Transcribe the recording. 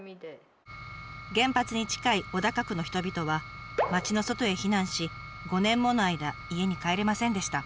原発に近い小高区の人々は町の外へ避難し５年もの間家に帰れませんでした。